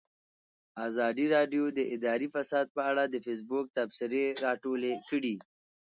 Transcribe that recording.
ازادي راډیو د اداري فساد په اړه د فیسبوک تبصرې راټولې کړي.